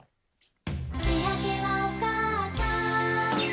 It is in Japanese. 「しあげはおかあさん」